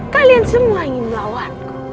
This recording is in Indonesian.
kalian semua ingin melawanku